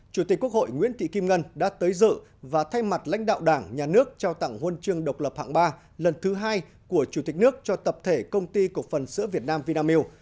chủ tịch quốc hội nguyễn thị kim ngân đã tới dự và thay mặt lãnh đạo đảng nhà nước trao tặng huân chương độc lập hạng ba lần thứ hai của chủ tịch nước cho tập thể công ty cộng phần sữa việt nam vinamilk